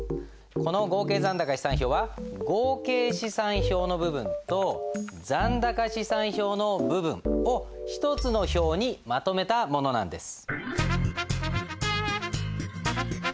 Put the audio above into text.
この合計残高試算表は合計試算表の部分と残高試算表の部分を一つの表にまとめたものなんです。